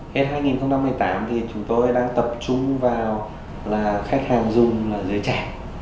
hết hai nghìn một mươi tám thì chúng tôi đang tập trung vào là khách hàng dùng là giới trẻ